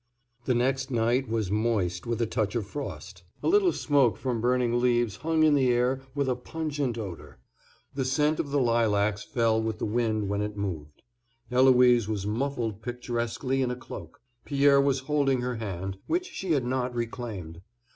The next night was moist with a touch of frost. A little smoke from burning leaves hung in the air with a pungent odor. The scent of the lilacs fell with the wind when it moved. Eloise was muffled picturesquely in a cloak. Pierre was holding her hand, which she had not reclaimed.